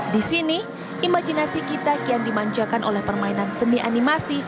disini imajinasi kita kian dimanjakan oleh permainan seni animasi